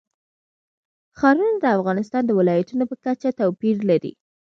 ښارونه د افغانستان د ولایاتو په کچه توپیر لري.